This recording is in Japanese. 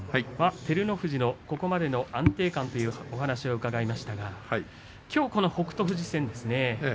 照ノ富士のここまでの安定感というお話を伺いましたがきょう北勝富士戦ですね。